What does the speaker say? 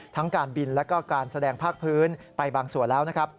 การบินแล้วก็การแสดงภาคพื้นไปบางส่วนแล้วนะครับ